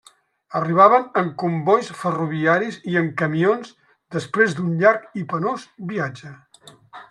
Arribaven en combois ferroviaris i en camions després d'un llarg i penós viatge.